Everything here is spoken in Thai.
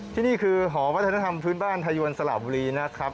ที่นี่คือหอวัฒนธรรมพื้นบ้านพายวนสละบุรีนะครับ